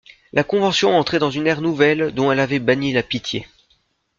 La Convention entrait dans une ère nouvelle dont elle avait banni la pitié.